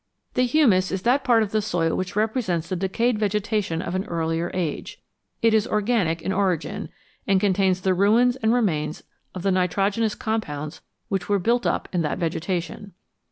The humus is that part of the soil which represents the decayed vegetation of an earlier age ; it is organic in origin, and contains the ruins and remains of the nitro genous compounds which were built up in that vegetation.